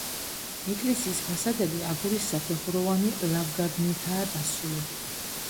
ეკლესიის ფასადები აგურის საფეხუროვანი ლავგარდნითაა დასრულებული.